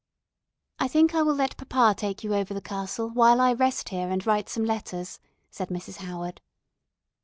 "I think I will let papa take you over the castle, while I rest here and write some letters," said Mrs. Howard.